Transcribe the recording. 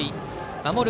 守る